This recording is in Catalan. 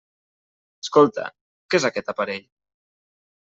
Escolta, què és aquest aparell?